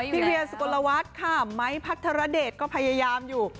เวียสุกลวัฒน์ค่ะไม้พัทรเดชก็พยายามอยู่